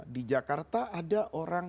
di jakarta ada orang